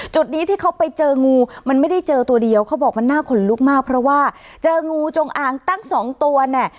จุดนี้ที่เขาไปเจองูมันไม่ได้เจอตัวเดียวเขาบอกมันน่าขนลุกมากเพราะว่าเจองูจงอางตั้งสองตัวเนี่ย